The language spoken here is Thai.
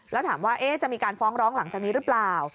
แล้วถามว่าจะมีการฟ้องร้องหลังจากนี้หรือเปล่า